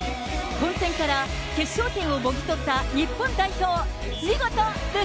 混戦から決勝点をもぎ取った日本代表。